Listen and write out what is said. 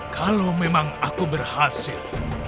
kalau memang aku berhasil